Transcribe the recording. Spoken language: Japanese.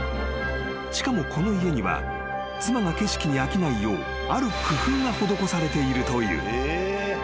［しかもこの家には妻が景色に飽きないようある工夫が施されているという］